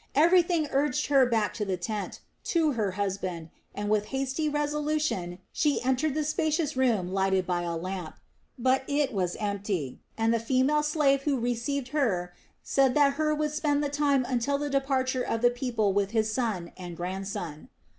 Everything urged her back to the tent, to her husband, and with hasty resolution she entered the spacious room lighted by a lamp. But it was empty, and the female slave who received her said that Hur would spend the time until the departure of the people with his son and grandson.